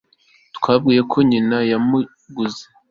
Yambwiye ko nyina yamuguze